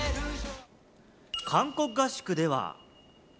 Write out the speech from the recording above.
韓国合宿では。